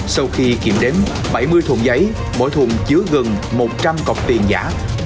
sau khi kiểm đếm bảy mươi thùng giấy mỗi thùng chứa gần một trăm linh cọc tiền giả